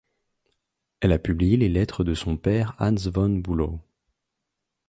Elle a publié les lettres de son père Hans von Bülow.